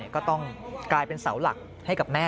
ก็ต้องกลายเป็นเสาหลักให้กับแม่